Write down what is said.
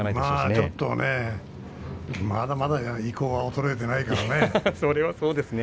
ちょっとね、まだまだ偉功は衰えていないからね。